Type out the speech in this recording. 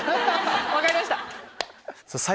分かりました。